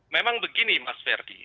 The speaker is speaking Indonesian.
memang begini mas ferdi